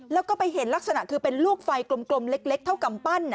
แล้วก็ไปเห็นลักษณะคือเป็นลูกไฟกลมเล็กเท่ากำปั้น